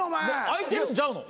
空いてるんちゃうの？